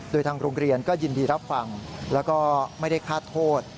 โดยทางโรงเรียนก็ยินดีรับฟังแล้วก็ไม่ได้ฆ่าโทษ